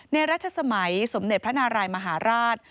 ในราชสมัยสมเด็จพระนารายมหาราช